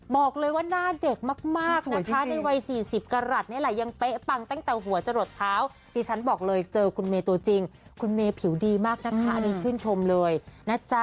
บอกเลยว่าหน้าเด็กมากนะคะในวัย๔๐กรัฐเนี่ยแหละ